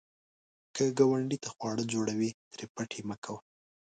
که ګاونډي ته خواړه جوړوې، ترې پټ یې مه کوه